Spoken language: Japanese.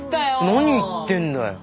何言ってんだよ。